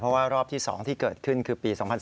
เพราะว่ารอบที่๒ที่เกิดขึ้นคือปี๒๔